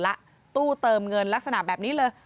และตู้เติมเงินลักษณะแบบนี้เลย